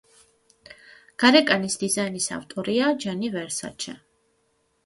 გარეკანის დიზაინის ავტორია ჯანი ვერსაჩე.